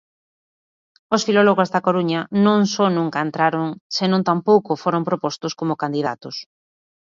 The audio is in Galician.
Os filólogos da Coruña non só nunca entraron senón tampouco foron propostos como candidatos.